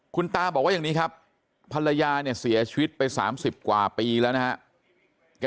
คุณตาบอกว่าอย่างนี้ครับภรรยาเนี่ยเสียชีวิตไป๓๐กว่าปีแล้วนะครับ